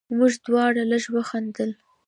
موږ دواړو لږ وخندل.